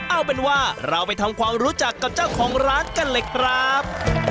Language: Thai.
เอาเป็นว่าเราไปทำความรู้จักกับเจ้าของร้านกันเลยครับ